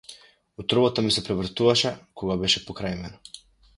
Утробата ми се превртуваше кога беше покрај мене.